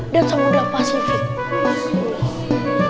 dan samudera pasifik